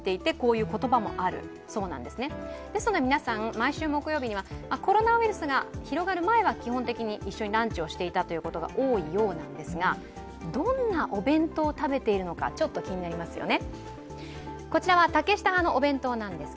毎週木曜日にはコロナウイルスが広がる前は基本的に一緒にランチをしていたことが多いようなんですが、どんなお弁当を食べているのかちょっと気になりますよね。